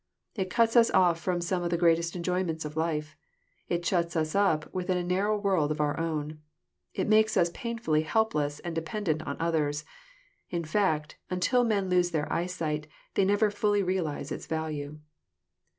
It cuts us off from some of the greatest enjoyments of life. It shuts us up within a narrow world of our own. It makes us painfully helpless and dependent on others. In fact, until men lose their eyesight, they never fully realize its value.